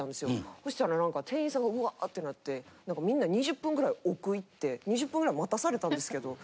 そしたら何か店員さんがうわってなって何かみんな２０分ぐらい奥行って２０分ぐらい待たされたんですけど。